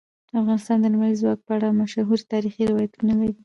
افغانستان د لمریز ځواک په اړه مشهور تاریخی روایتونه لري.